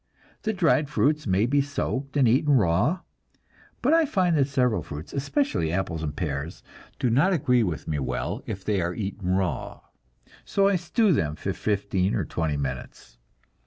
The dried fruits may be soaked and eaten raw, but I find that several fruits, especially apples and pears, do not agree with me well if they are eaten raw, so I stew them for fifteen or twenty minutes.